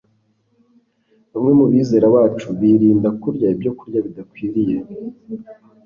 bamwe mu bizera bacu birinda kurya ibyokurya bidakwiriye